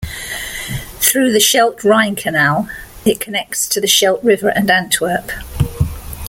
Through the Scheldt-Rhine Canal it connects to the Scheldt river and Antwerp.